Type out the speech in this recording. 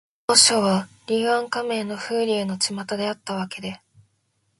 当時は、柳暗花明の風流のちまたであったわけで、